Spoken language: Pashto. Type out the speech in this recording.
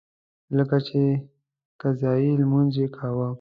لکه چې قضایي لمونځ یې کاوه.